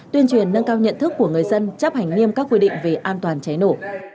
tuyên truyền nâng cao nhận thức của người dân chấp hành nghiêm các quy định về an toàn cháy nổ